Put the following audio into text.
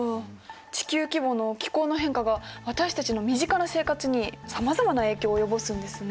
地球規模の気候の変化が私たちの身近な生活にさまざまな影響を及ぼすんですね。